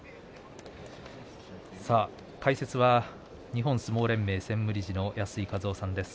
解説は日本相撲連盟専務理事の安井和男さんです。